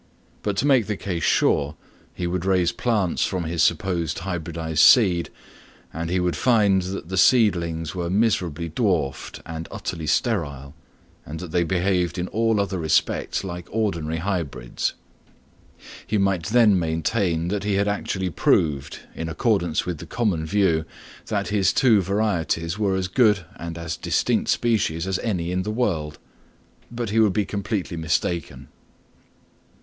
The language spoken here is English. But to make the case sure, he would raise plants from his supposed hybridised seed, and he would find that the seedlings were miserably dwarfed and utterly sterile, and that they behaved in all other respects like ordinary hybrids. He might then maintain that he had actually proved, in accordance with the common view, that his two varieties were as good and as distinct species as any in the world; but he would be completely mistaken.